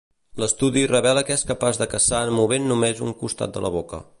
L'estudi revela que és capaç de caçar movent només un costat de la boca.